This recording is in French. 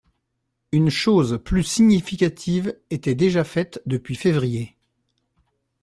Une chose plus significative était déjà faite depuis février.